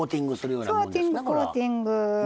コーティング。